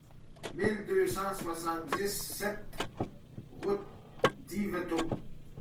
mille deux cent soixante-dix-sept route d'Yvetot